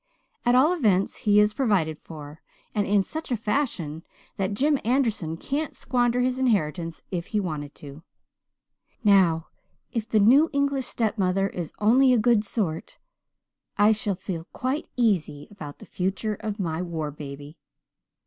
"At all events he is provided for, and in such a fashion that Jim Anderson can't squander his inheritance if he wanted to. Now, if the new English stepmother is only a good sort I shall feel quite easy about the future of my war baby.